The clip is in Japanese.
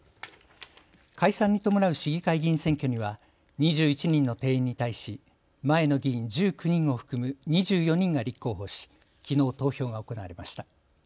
解散に伴う市議会議員選挙には２１人の定員に対し前の議員１９人を含む２４人が立候補しきのう投票が行われました。